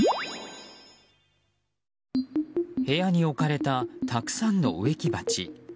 部屋に置かれたたくさんの植木鉢。